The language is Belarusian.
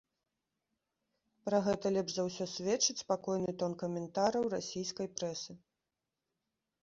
Пра гэта лепш за ўсё сведчыць спакойны тон каментараў расійскай прэсы.